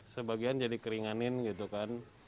sebagian jadi keringanin gitu kan